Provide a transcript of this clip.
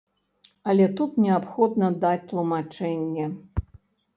Але тут неабходна даць тлумачэнне.